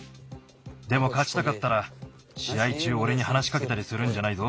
でもかちたかったらしあい中おれにはなしかけたりするんじゃないぞ。